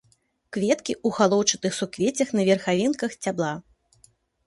Кветкі ў галоўчатых суквеццях на верхавінках сцябла.